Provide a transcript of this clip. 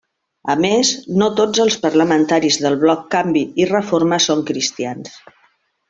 A més, no tots els parlamentaris del bloc Canvi i Reforma són cristians.